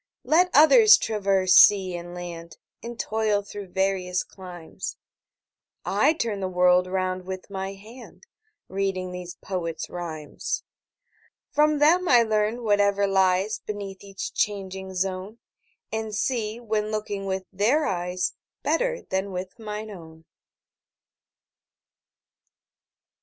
Let others traverse sea and land, And toil through various climes, 30 I turn the world round with my hand Reading these poets' rhymes. From them I learn whatever lies Beneath each changing zone, And see, when looking with their eyes, 35 Better than with mine own.